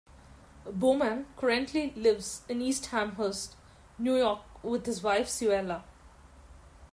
Bowman currently lives in East Amherst, New York with his wife Suella.